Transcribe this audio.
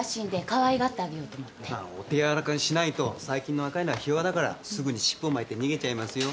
お手柔らかにしないと最近の若いのはひ弱だからすぐに尻尾を巻いて逃げちゃいますよ。